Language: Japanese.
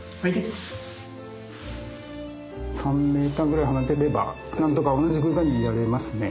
３ｍぐらい離れてればなんとか同じ空間にはいられますね。